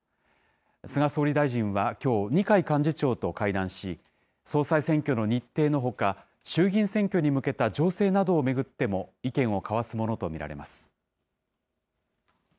菅総理大臣はきょう、二階幹事長と会談し、総裁選挙の日程のほか、衆議院選挙に向けた情勢などを巡っても意見を交わすものと見られます。